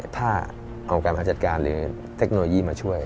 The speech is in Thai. ถ้ากรมการประจัดการหรือเทคโนโลยีมาช่วย